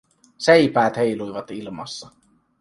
Seipäät heiluivat ilmassa.